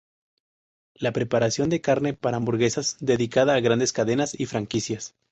La preparación de carne para hamburguesas dedicada a grandes cadenas y franquicias.